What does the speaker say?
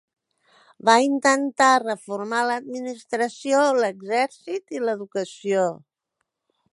Va intentar reformar l'administració, l'exèrcit i l'educació.